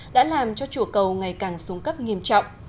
đã làm cho chùa cầu ngày càng xuống cấp nghiêm trọng